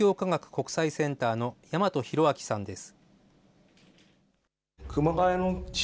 国際センターの大和広明さんです。